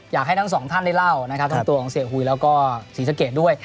อยากให้ทั้งสองท่านได้เล่านะครับทั้งตัวของเสียหุยแล้วก็ศรีสะเกดด้วย